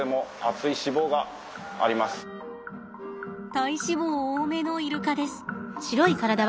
体脂肪多めのイルカです。